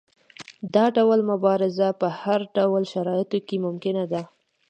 دا ډول مبارزه په هر ډول شرایطو کې ممکنه ده.